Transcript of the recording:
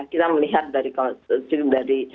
kita melihat dari